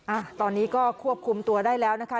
อ่ะตอนนี้ก็ควบคุมตัวได้แล้วนะคะ